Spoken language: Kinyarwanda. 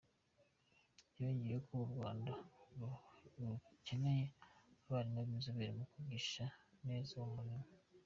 Yongeyeho ko u Rwanda rukeneye abarimu b’inzobere mu kwigisha neza urwo rurimi.